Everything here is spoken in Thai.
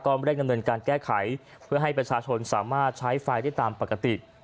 ก็เร่งดำเนินการแก้ไขเพื่อให้ประชาชนสามารถใช้ไฟได้ตามปกติ